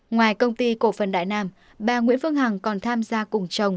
ngoài công ty cổ phần đại nam bà nguyễn phương hằng còn tham gia cùng chồng